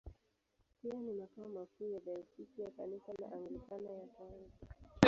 Pia ni makao makuu ya Dayosisi ya Kanisa la Anglikana ya Tanga.